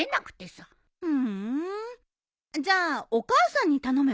ふーんじゃあお母さんに頼めば？